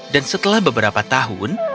dan setelah beberapa tahun